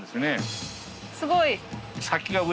すごい。